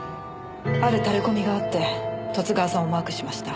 あるタレコミがあって十津川さんをマークしました。